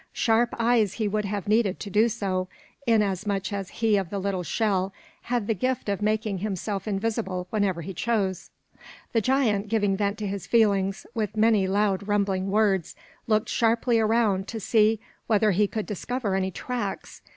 Sharp eyes he would have needed to do so, inasmuch as He of the Little Shell had the gift of making himself invisible whenever he chose. The giant, giving vent to his feelings with many loud rumbling words, looked sharply around to see whether he could discover any tracks.